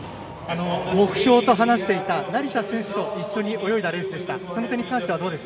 目標と話していた成田選手と一緒に泳いだレースでした。